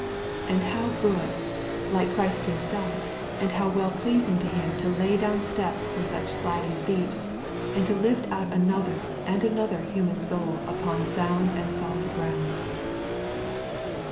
And how good, how like Christ Himself, and how well pleasing to Him to lay down steps for such sliding feet, and to lift out another and another human soul upon sound and solid ground.